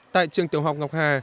tại trường tiểu học ngọc hà